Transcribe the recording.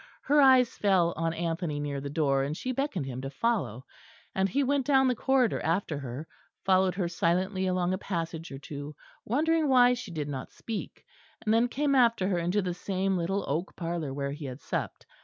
Her eyes fell on Anthony near the door, and she beckoned him to follow, and he went down the corridor after her, followed her silently along a passage or two, wondering why she did not speak, and then came after her into the same little oak parlour where he had supped.